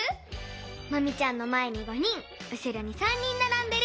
マミちゃんのまえに５人うしろに３人ならんでる。